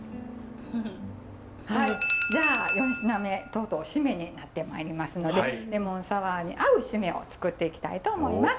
じゃあ四品目とうとう〆になってまいりますのでレモンサワーに合う〆を作っていきたいと思います。